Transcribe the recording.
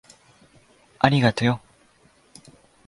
ありがとよ。